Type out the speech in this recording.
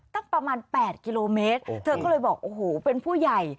ตั้งประมาณ๘กิโลเมตรเธอก็เลยบอกโอ้โหเป็นผู้ใหญ่